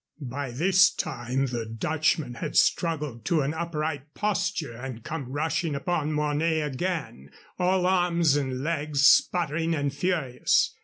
By this time the Dutchman had struggled to an upright posture and came rushing upon Mornay again, all arms and legs, sputtering and furious.